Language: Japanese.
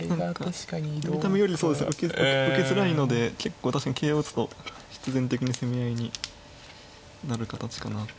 見た目より受けづらいので結構確かに桂を打つと必然的に攻め合いになる形かなと。